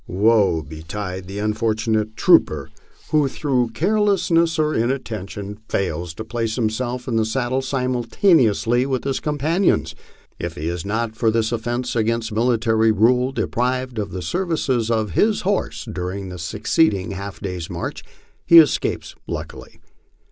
Woe betide the unfortunate trooper who through care 53 MY LIFE ON THE PLAINS. lessness or inattention fails to place himself in his saddle simultaneously with his companions. If he is not for this offence against military rule deprived of the services of his horse during the succeeding half day's march, he escapes luckily.